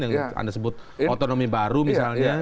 yang anda sebut otonomi baru misalnya